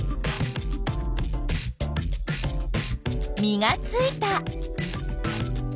実がついた。